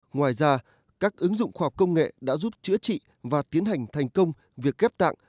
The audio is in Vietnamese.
ngoài ra các ứng dụng khoa học công nghệ đã giúp chữa trị và tiến hành thành công việc ghép tạng